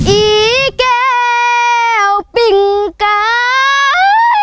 อีแก้วปิ่งกาย